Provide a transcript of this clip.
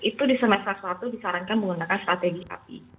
itu di semester satu disarankan menggunakan strategi api